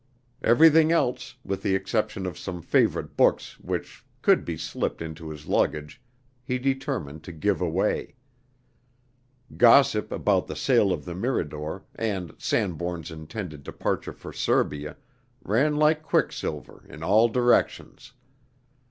Everything else, with the exception of some favorite books which could be slipped into his luggage, he determined to give away. Gossip about the sale of the Mirador, and Sanbourne's intended departure for Serbia, ran like quicksilver, in all directions.